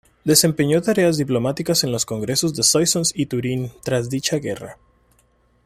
Desempeñó tareas diplomáticas en los Congresos de Soissons y Turín tras dicha guerra.